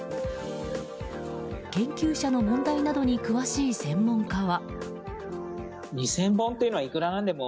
研究者の問題などに詳しい専門家は。